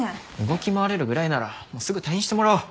動き回れるぐらいならすぐ退院してもらおう。